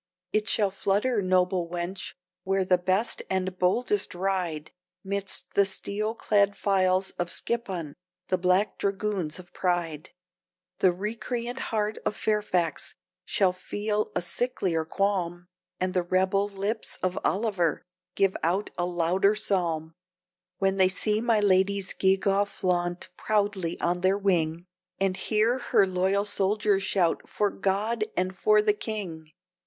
"It shall flutter, noble wench, where the best and boldest ride, Midst the steel clad files of Skippon, the black dragoons of Pride; The recreant heart of Fairfax shall feel a sicklier qualm, And the rebel lips of Oliver give out a louder psalm, When they see my lady's gewgaw flaunt proudly on their wing, And hear her loyal soldier's shout, 'For God and for the King.'"